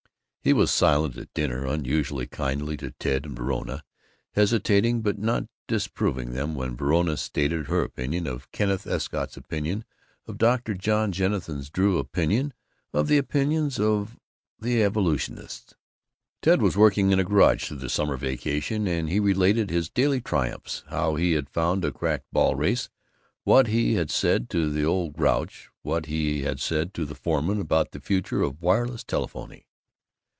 He was silent at dinner, unusually kindly to Ted and Verona, hesitating but not disapproving when Verona stated her opinion of Kenneth Escott's opinion of Dr. John Jennison Drew's opinion of the opinions of the evolutionists. Ted was working in a garage through the summer vacation, and he related his daily triumphs: how he had found a cracked ball race, what he had said to the Old Grouch, what he had said to the foreman about the future of wireless telephony.